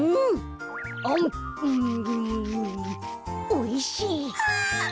おいしい！